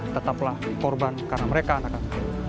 tetaplah korban karena mereka anak anak